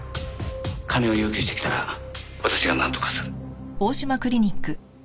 金を要求してきたら私がなんとかする。